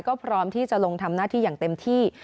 ก็พร้อมที่จะลงทำหน้าที่อย่างเต็มที่